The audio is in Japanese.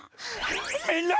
みんな！